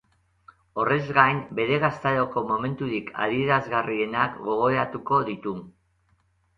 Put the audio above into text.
Horrez gain, bere gaztaroko momenturik adierazgarrienak gogoratuko ditu.